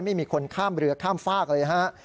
ไม่มีคนข้ามเรือข้ามฟากเลยฮะ